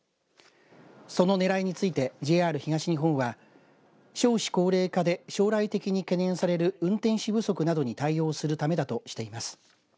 その狙いについてＪＲ東日本は少子高齢化で将来的に懸念される運転士不足などに対応するためだとしています。